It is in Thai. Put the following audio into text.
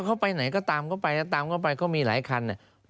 ก็เขาไปไหนก็ตามก็ไปตามก็ไปเขามีหลายคันเนี่ย